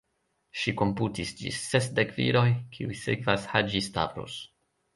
Ŝi komputis ĝis sesdek viroj, kiuj sekvas Haĝi-Stavros.